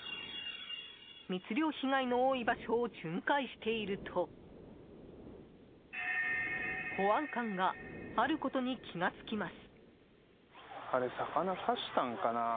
密漁被害の多い場所を巡回していると保安官があることに気がつきます。